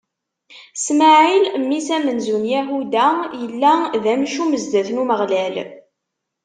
Smaɛil, mmi-s amenzu n Yahuda, yella d amcum zdat n Umeɣlal.